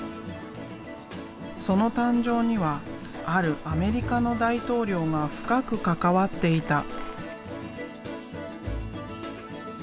その誕生にはあるアメリカの大統領が深く関わっていた。